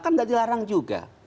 kan nggak dilarang juga